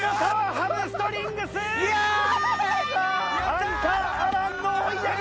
アンカーアランの追い上げ